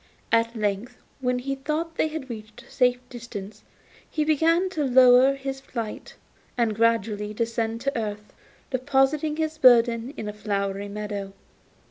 At length, when he thought they had reached a safe distance, he began to lower his flight, and gradually descending to earth, deposited his burden in a flowery meadow.